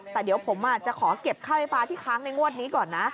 แต่เดี๋ยวผมจะขอเก็บค่าไฟฟ้าที่ค้างในงวดนี้ก่อนนะ